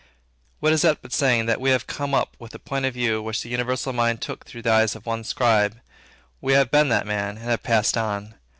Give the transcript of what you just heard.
What is that but saying, that we have come up with the point of view which the universal mind took through the eyes of one scribe; we have been that man, and have passed on.